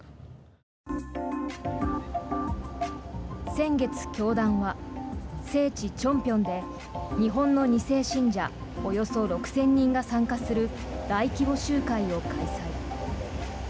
先月、教団は聖地・清平で日本の２世信者およそ６０００人が参加する大規模集会を開催。